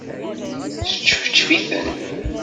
Sčefčef-iten.